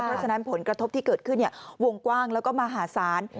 เพราะฉะนั้นผลกระทบที่เกิดขึ้นวงกว้างแล้วก็มหาศาล